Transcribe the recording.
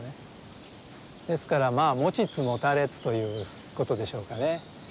ですからまあ持ちつ持たれつということでしょうかね。